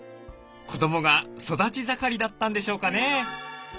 子どもが育ち盛りだったんでしょうかね。